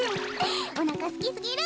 おなかすきすぎる。